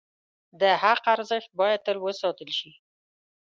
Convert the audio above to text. د حق ارزښت باید تل وساتل شي.